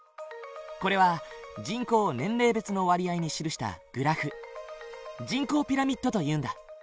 これは人口を年齢別の割合に記したグラフ人口ピラミッドというんだ。